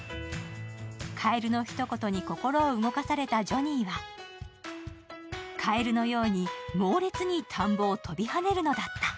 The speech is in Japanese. カエルのひと言に心を動かされたジョニーはカエルのようにモーレツに田んぼを飛び跳ねるのだった。